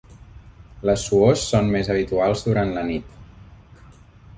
Les suors són més habituals durant la nit.